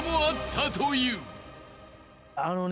あのね。